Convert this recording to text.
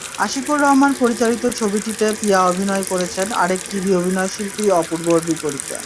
আশিকুর রহমান পরিচালিত ছবিটিতে পিয়া অভিনয় করেছেন আরেক টিভি অভিনয়শিল্পী অপূর্বর বিপরীতে।